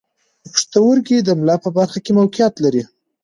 پښتورګي د ملا په برخه کې موقعیت لري.